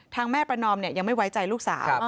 แม่ประนอมยังไม่ไว้ใจลูกสาว